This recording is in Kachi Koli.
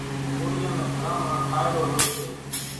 ڪورِيان نان گھران مان ٿائيڙو هوئيَ سي۔